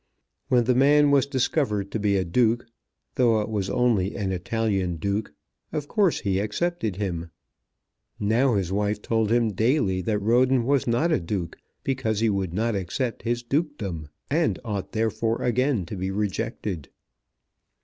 When the man was discovered to be a Duke, though it was only an Italian Duke, of course he accepted him. Now his wife told him daily that Roden was not a Duke, because he would not accept his Dukedom, and ought therefore again to be rejected.